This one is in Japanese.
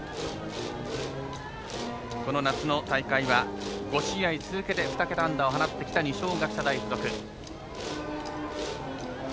この夏の大会は５試合続けて２桁安打を放ってきた二松学舎大学附属。